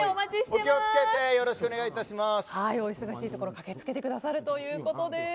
お忙しいところ駆けつけてくださるということで。